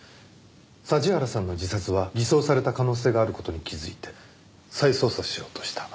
桟原さんの自殺は偽装された可能性がある事に気づいて再捜査しようとした。